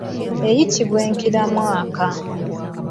Eyitibwa enkiramwaka.